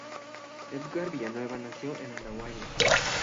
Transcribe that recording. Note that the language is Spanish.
Edgar Villanueva nació en Andahuaylas.